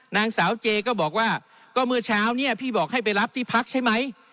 นางสาวเจก็บอกว่าก็เมื่อเช้าเนี่ยพี่บอกให้ไปรับที่พักใช่ไหม